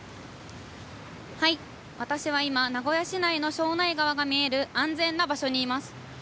私は今、名古屋市内の庄内川が見える安全な場所にいます。